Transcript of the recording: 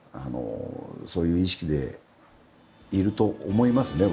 そういう意識でいると思いますね